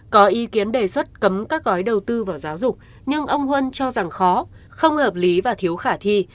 có ý kiến đề xuất cấm các gói đầu tư vào giáo dục nhưng ông huân cho rằng khó không hợp lý và thiếu khả thi